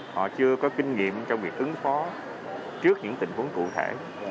họ chưa có kinh nghiệm trong việc ứng phó trước những tình huống cụ thể